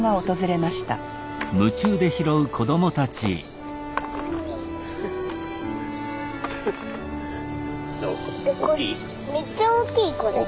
めっちゃ大きいこれ。